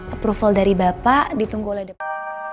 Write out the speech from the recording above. approval dari bapak ditunggu oleh depan